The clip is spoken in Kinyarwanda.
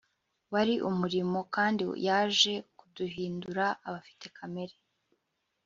wari umurimo Kandi yaje kuduhindura abafite kamere